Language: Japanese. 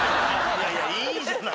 いやいやいいじゃない。